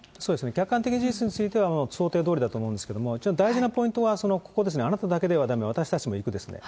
客観的事実については想定どおりだと思うんですけど、ちょっと大事なポイントは、ここですね、あなただけではだめ、私たちもいくですね。